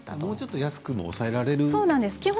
もうちょっと安くも抑えられるんですね。